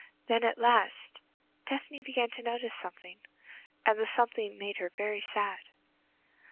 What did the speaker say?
Then, at last, Tephany began to notice something, and the something made her very sad.